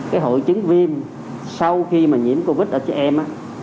cái hội chứng viêm sau khi mà nhiễm covid ở trẻ em á